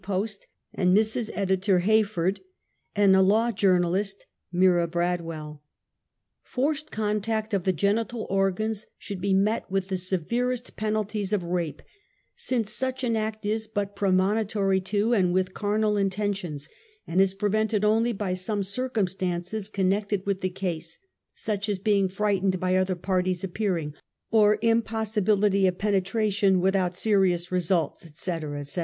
Post and Mrs. Editor Hay ford, and a Law Journalist, Mira Bradwell. Forced contact of the genital organs should be met with the severest penalities of rape, since such an act is but premonitory to and luith carnal inten tions, and is prevented only by some circumstances connected with the case, such as being frightened by other parties appearing, or impossibility of penetra tion without serious results, etc, etc.